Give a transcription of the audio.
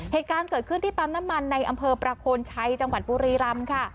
เหตุการณ์เกิดขึ้นที่ปั๊มน้ำมันในอำเภอประโคนชัยจังหวัดบุรีรำค่ะ